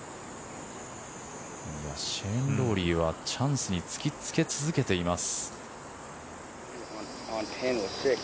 シェーン・ロウリーはチャンスにつけ続けています。